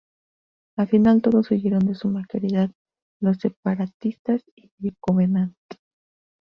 Al final todos huyeron de Suma Caridad, los Separatistas y el Covenant.